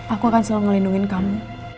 aku akan selalu melindungi kamu